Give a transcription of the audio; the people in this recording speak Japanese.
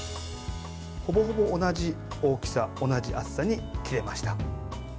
ほぼほぼ同じ大きさ同じ厚さに切れました。